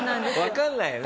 わかんないよね。